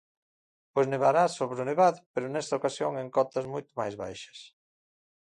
Pois nevará sobre o nevado, pero nesta ocasión en cotas moito máis baixas.